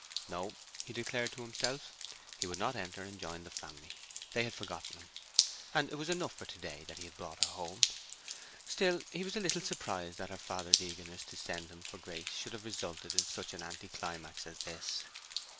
No, he declared to himself, he would not enter and join the family; they had forgotten him, and it was enough for to day that he had brought her home. Still, he was a little surprised that her father's eagerness to send him for Grace should have resulted in such an anticlimax as this.